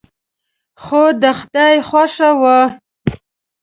خو د خدای خوښه وه.